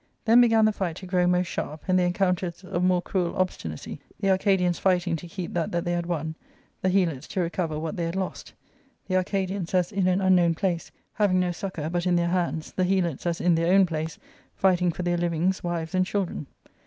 Then began the fight to grow most sharp, and the encounters of more cruel ob stinacjythe Arcadians fighting to keep that they had won« { the Helots to recover what theyjiadjost ; the Arcadians as in an unknown place, having no succour but in their hands, the Helots as in their own place, fighting for their livings, wives, and children.